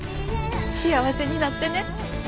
幸せになってね。